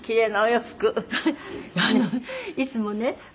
いつもね